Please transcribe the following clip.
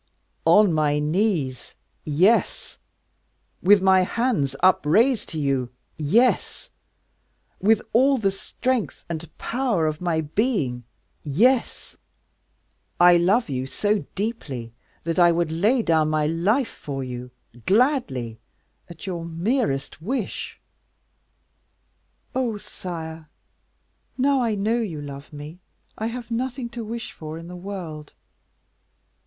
"On my knees, yes; with my hands upraised to you, yes; with all the strength and power of my being, yes; I love you so deeply, that I would lay down my life for you, gladly, at your merest wish." "Oh! sire, now I know you love me, I have nothing to wish for in the world.